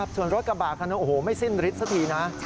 ส่วนรถกระบะคันนั้นโอ้โหไม่สิ้นฤทธิสักทีนะ